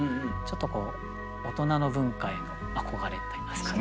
ちょっとこう大人の文化への憧れといいますかね。